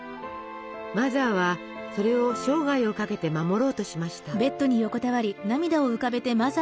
マザーはそれを生涯をかけて守ろうとしました。